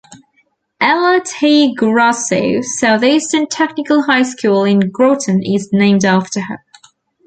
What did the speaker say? Ella T. Grasso Southeastern Technical High School in Groton is named after her.